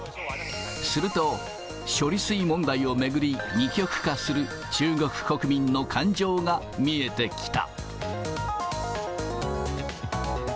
すると、処理水問題を巡り、二極化する中国国民の感情が見えてきた。